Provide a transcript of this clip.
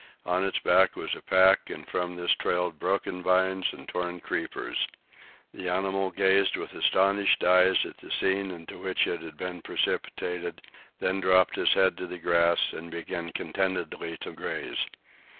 On its back was a pack, and from this trailed broken vines and torn creepers. The animal gazed with astonished eyes at the scene into which it had been precipitated, then dropped its head to the grass and began contentedly to graze.